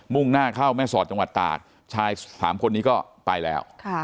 ่งหน้าเข้าแม่สอดจังหวัดตากชาย๓คนนี้ก็ไปแล้ว